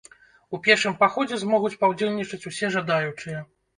У пешым паходзе змогуць паўдзельнічаць усе жадаючыя.